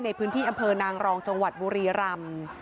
ในพื้นที่อำเภอนางรองจังหวัดบุรีรำ